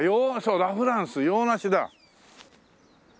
ラ・フランス洋梨だ。